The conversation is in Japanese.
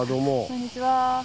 こんにちは。